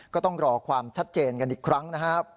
ก็ต้องรอความชัดเจนกันอีกครั้งนะครับ